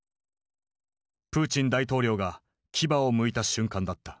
プーチン大統領が牙をむいた瞬間だった。